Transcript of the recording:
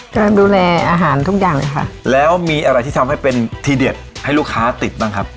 การดูแลอาหารทุกอย่างเลยค่ะแล้วมีอะไรที่ทำให้เป็นทีเด็ดให้ลูกค้าติดบ้างครับ